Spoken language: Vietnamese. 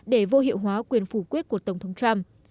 để vô hiệu hóa quyền phủ quyết của tổng thống trump